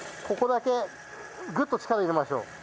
ここだけグッと力入れましょう。